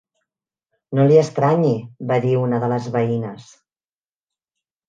No li estranyi, va dir una de les veïnes.